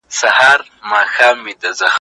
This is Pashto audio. افراطي فکر تل تباهي رامنځته کوي.